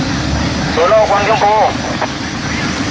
สวัสดีครับสวัสดีครับ